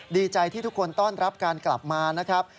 ดีใจที่ทุกคนต้อนรับการกลับมานะครับ